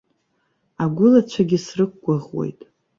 Агәылацәагьы срықәгәыӷуеит.